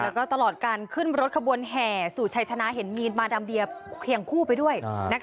แล้วก็ตลอดการขึ้นรถขบวนแห่สู่ชัยชนะเห็นมีนมาดามเดียเคียงคู่ไปด้วย